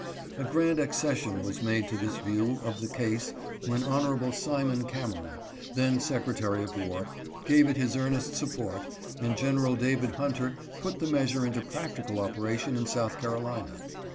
A grand accession was made to this view of the case when Hon. Simon Cameron, then secretary of war, gave it his earnest support, and General David Hunter put the measure into practical operation in South Carolina.